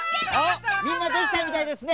みんなできたみたいですね。